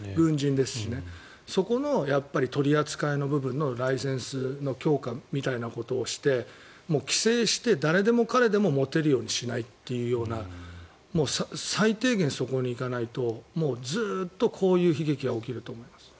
そこの取り扱いの部分のライセンスの強化みたいなことをして規制して、誰でも彼でも持てるようにしないというような最低限、そこに行かないとずっとこういう悲劇は起きると思います。